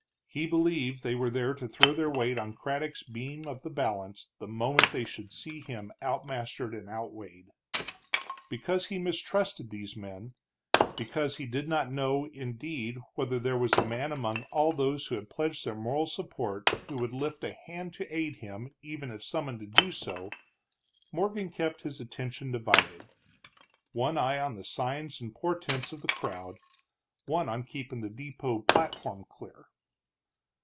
He believed they were there to throw their weight on Craddock's beam of the balance the moment they should see him outmastered and outweighed. Because he mistrusted these men, because he did not know, indeed, whether there was a man among all those who had pledged their moral support who would lift a hand to aid him even if summoned to do so, Morgan kept his attention divided, one eye on the signs and portents of the crowd, one on keeping the depot platform clear.